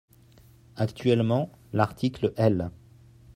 Actuellement, l’article L.